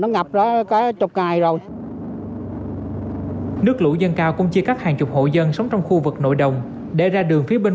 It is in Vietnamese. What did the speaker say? nước lũ dâng cao cũng chia cắt hàng chục hộ dân sống trong khu vực nội đồng để ra đường phía bên